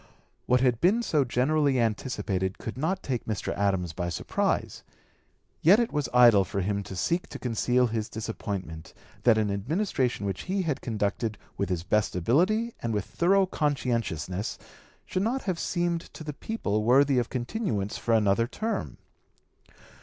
What had been so generally anticipated could not take Mr. Adams by surprise; yet it was idle for him to seek to conceal his disappointment that an Administration which he (p. 213) had conducted with his best ability and with thorough conscientiousness should not have seemed to the people worthy of continuance for another term.